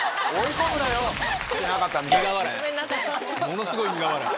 ものすごい苦笑い。